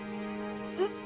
えっ？